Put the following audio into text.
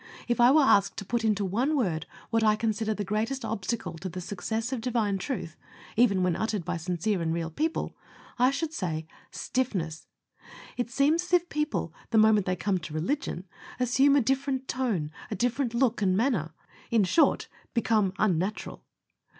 If I were asked to put into one word what I consider the greatest obstacle to the success of Divine Truth, even when uttered by sincere and real people, I should say, stiffness. It seems as if people, the moment they come to religion, assume a different tone, a different look, and manner short, become unnatural.